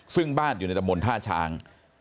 ซึ่งบ้านอยู่ในตะมนต์ท่าช้าง